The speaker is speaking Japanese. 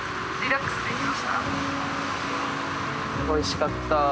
おいしかった。